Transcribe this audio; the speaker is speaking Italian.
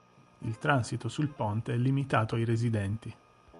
Il transito sul ponte è limitato ai residenti.